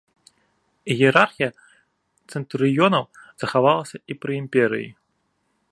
Іерархія цэнтурыёнаў захавалася і пры імперыі.